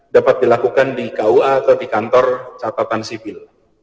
dapat dilakukan di kua atau di kantor catatan sipil